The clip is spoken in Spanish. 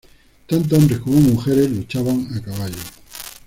Tanto hombres como mujeres luchaban a caballo.